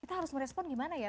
kita harus merespon gimana ya